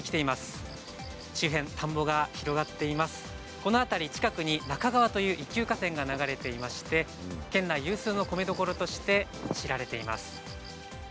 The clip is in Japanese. この辺り、近くに那賀川という一級河川が流れていまして県内有数の米どころとして知られています。